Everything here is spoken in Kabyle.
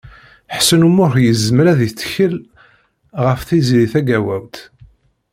Ḥsen U Muḥ yezmer ad yettkel ɣef Tiziri Tagawawt.